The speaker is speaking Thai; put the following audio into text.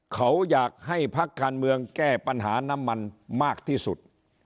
เขาอยากให้พักการเมืองแก้ปัญหาน้ำมันมากที่สุด